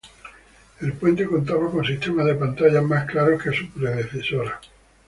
El puente contaba con sistemas de pantallas más claros que su predecesora.